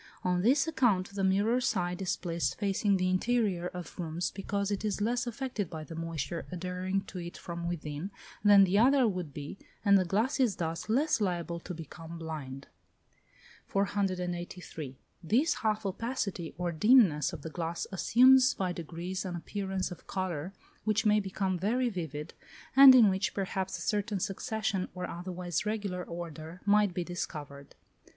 On this account the mirror side is placed facing the interior of rooms, because it is less affected by the moisture adhering to it from within, than the other would be, and the glass is thus less liable to become "blind." 483. This half opacity or dimness of the glass assumes by degrees an appearance of colour which may become very vivid, and in which perhaps a certain succession, or otherwise regular order, might be discovered.